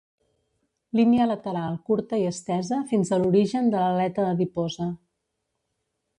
Línia lateral curta i estesa fins a l'origen de l'aleta adiposa.